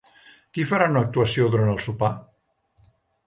Qui farà una actuació durant el sopar?